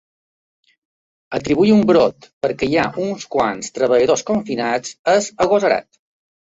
Atribuir un brot perquè hi ha uns quants treballadors confinats és agosarat.